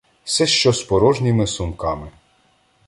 Се що з порожніми сумками